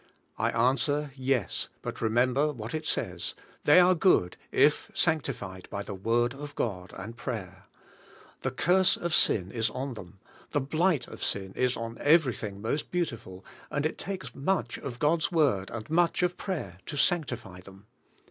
I answer, yes, but remember what it says; they are good, if sanctified by the Word of God and prayer. The curse of sin is on them; the blight of sin is on everything most beautiful, and it takes much of God's Word, and much of prayer to sanc tify them.